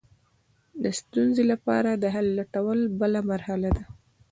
د ستونزې لپاره د حل لټول بله مرحله ده.